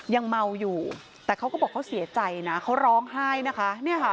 ยังเมาอยู่แต่เขาก็บอกเขาเสียใจนะเขาร้องไห้นะคะเนี่ยค่ะ